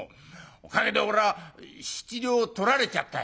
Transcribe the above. おかげで俺は７両取られちゃったい」。